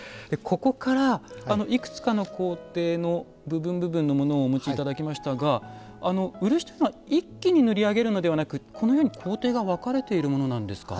ここからいくつかの工程の部分部分のものをお持ち頂きましたが漆というのは一気に塗り上げるのではなくこのように工程が分かれているものなんですか？